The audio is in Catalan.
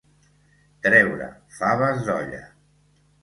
Treure faves d'olla.